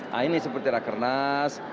nah ini seperti rakernas